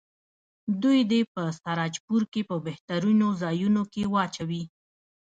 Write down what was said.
دوی دې په سراجپور کې په بهترینو ځایونو کې واچوي.